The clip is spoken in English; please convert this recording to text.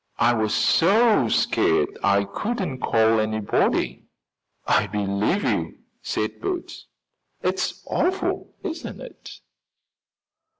I was so scared I couldn't call anybody." "I believe you," said Bert. "It's awful, isn't it?"